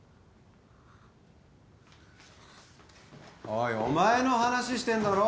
おいお前の話してんだろ！？